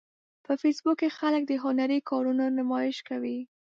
په فېسبوک کې خلک د هنري کارونو نمایش کوي